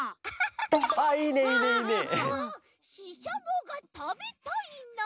ししゃもがたべたいな！